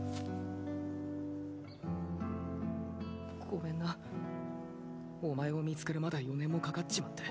ごめんなお前を見付けるまで４年もかかっちまって。